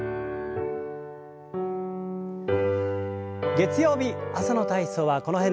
月曜日朝の体操はこの辺で。